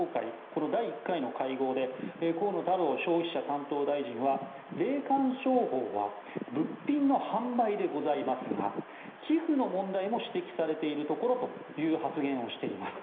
この第１回の会合で河野太郎消費者担当大臣は霊感商法は物品の販売でございますが寄付の問題も指摘されているところという発言をしています。